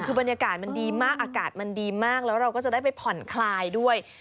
คือบรรยากาศมันดีมากอากาศมันดีมากแล้วเราก็จะได้ไปผ่อนคลายด้วย